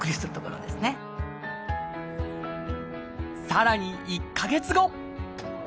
さらに１か月後。